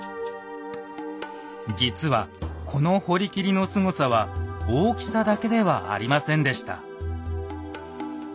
実はこの堀切のすごさは大きさだけではありませんでした。